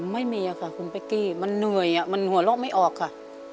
ไม่มีค่ะคุณเป๊กกี้มันเหนื่อยมันหัวเราะไม่ออกค่ะ